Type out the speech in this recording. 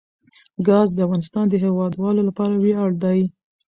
ګاز د افغانستان د هیوادوالو لپاره ویاړ دی.